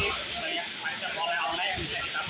kalau ada yang mencari kacang kacangan bisa kismis dan macam macam